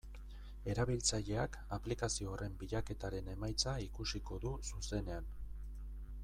Erabiltzaileak aplikazio horren bilaketaren emaitza ikusiko du zuzenean.